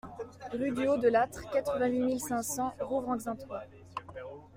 Rue du Haut de l'Âtre, quatre-vingt-huit mille cinq cents Rouvres-en-Xaintois